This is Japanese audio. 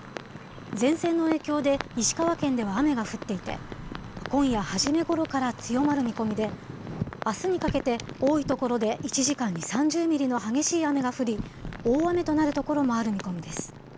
前線の影響で、石川県では雨が降っていて、今夜はじめごろから強まる見込みで、あすにかけて多い所で１時間に３０ミリの激しい雨が降り、大雨となる所もある見込みです。